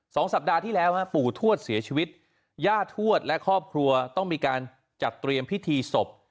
สัปดาห์ที่แล้วฮะปู่ทวดเสียชีวิตย่าทวดและครอบครัวต้องมีการจัดเตรียมพิธีศพ